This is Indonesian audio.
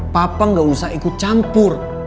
papa nggak usah ikut campur